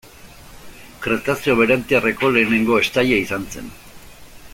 Kretazeo Berantiarreko lehenengo estaia izan zen.